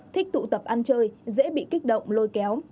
thích tụ tập ăn chơi dễ bị kích động lôi kéo